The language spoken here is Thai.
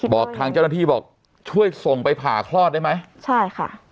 บอกทางเจ้าหน้าที่บอกช่วยส่งไปผ่าคลอดได้ไหมใช่ค่ะ